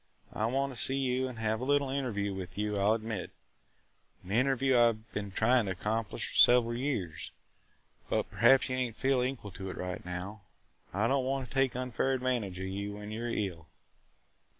I want to see you and have a little interview with you, I 'll admit – an interview I 've been trying to accomplish for several years. But perhaps you don't feel equal to it now. I don't want to take an unfair advantage of you when you 're ill."